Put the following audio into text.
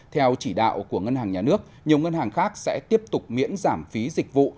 theo chỉ đạo của ngân hàng nhà nước nhiều ngân hàng khác sẽ tiếp tục miễn giảm phí dịch vụ